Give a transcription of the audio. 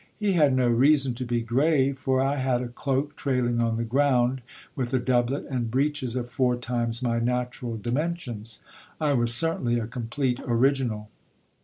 He had no reason to be grave, for I had a cloak trailing on the ground, with a doublet and breeches of four times my natural dimensions^ I was certainly a complete original.